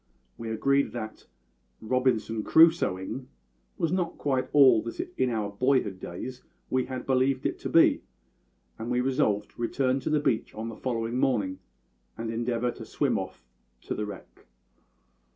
We agreed that `Robinson Crusoeing' was not quite all that in our boyhood's days we had believed it to be, and we resolved to return to the beach on the following morning and endeavour to swim off to the wreck.